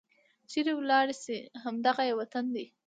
چيرې ولاړې شي؟ همد غه یې وطن دی